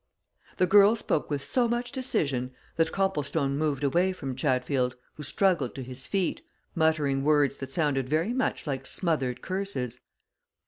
The girl spoke with so much decision that Copplestone moved away from Chatfield, who struggled to his feet, muttering words that sounded very much like smothered curses.